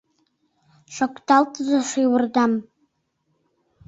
Шокталтыза шӱвырдам.